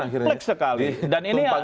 kompleks sekali dan ini